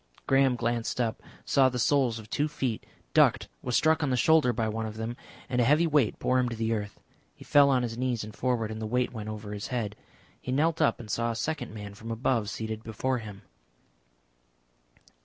Graham glanced up, saw the soles of two feet, ducked, was struck on the shoulder by one of them, and a heavy weight bore him to the earth. He fell on his knees and forward, and the weight went over his head. He knelt up and saw a second man from above seated before him.